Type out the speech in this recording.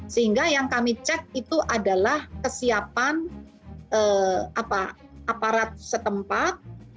sehingga yang kami cek itu adalah kesiapan aparat setempat